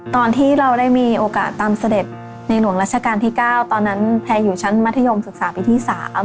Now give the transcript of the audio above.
ตอนที่เราได้มีโอกาสตามเสด็จในหลวงรัชกาลที่๙ตอนนั้นแพลอยู่ชั้นมัธยมศึกษาปีที่๓